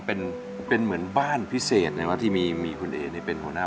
เป็นเหมือนบ้านพิเศษเลยว่าที่มีมีคุณเอนี่เป็นหัวหน้า